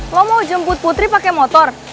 kamu mau jemput putri pakai motor